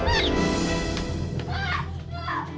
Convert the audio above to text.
aduh jangan jangan panggil saya